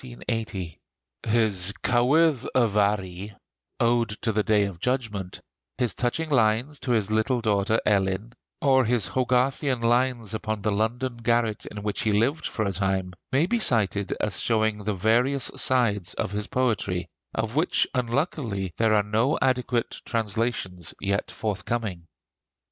His 'Cywydd y Faru' (Ode to the Day of Judgment), his touching lines to his little daughter Elin, or his Hogarthian lines upon the London garret in which he lived for a time, may be cited as showing the various sides of his poetry, of which unluckily there are no adequate translations yet forthcoming.